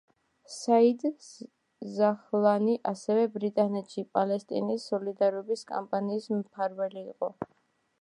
საიდ ზაჰლანი ასევე ბრიტანეთში „პალესტინის სოლიდარობის კამპანიის“ მფარველი იყო.